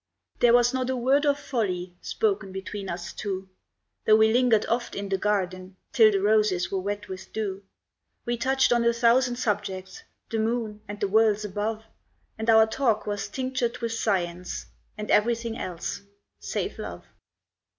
There was not a word of folly Spoken between us two, Though we lingered oft in the garden Till the roses were wet with dew. We touched on a thousand subjects The moon and the worlds above, And our talk was tinctured with science, And everything else, save love.